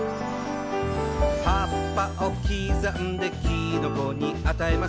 「葉っぱを刻んできのこにあたえます」